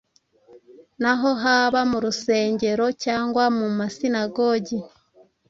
naho haba mu rusengero cyangwa mu masinagogi